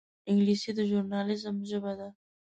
انګلیسي د ژورنالېزم ژبه ده